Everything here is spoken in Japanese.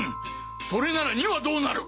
それなら「２」はどうなる？